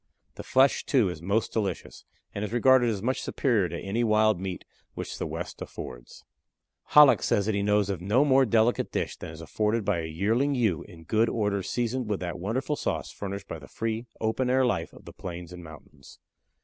The flesh, too, is most delicious, and is regarded as much superior to any wild meat which the west affords. Hallock says that he knows of no more delicate dish than is afforded by a yearling ewe in good order seasoned with that wonderful sauce furnished by the free, open air life of the plains and mountains.